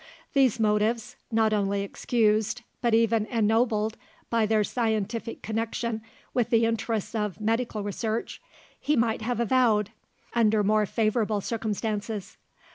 These motives not only excused, but even ennobled, by their scientific connection with the interests of Medical Research he might have avowed, under more favourable circumstances.